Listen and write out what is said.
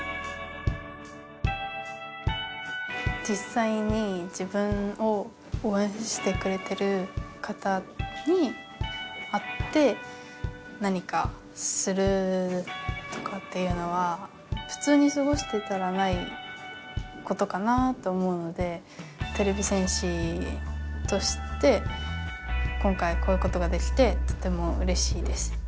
じっさいに自分を応援してくれてる方に会って何かするとかっていうのはふつうにすごしてたらないことかなと思うのでてれび戦士として今回こういうことができてとてもうれしいです。